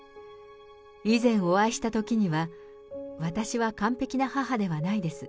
以前お会いしたときには、私は完璧な母ではないです。